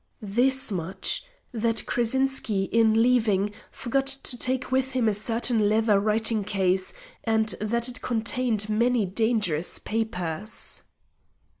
"This much that Krazinski, in leaving, forgot to take with him a certain leather writing case, and that it contained many dangerous papers."